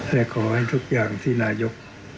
และขอให้ทุกอย่างที่นายก